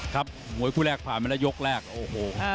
ครับหมวยผู้แรกผ่านไปแล้วยกแรกโอ้โห